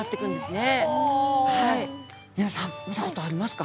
ねるさん見たことありますか？